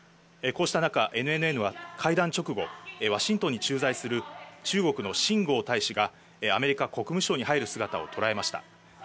こうした中、ＮＮＮは会談直後、ワシントンに駐在する中国の秦剛大使がアメリカ国務省に入る姿を捉えました。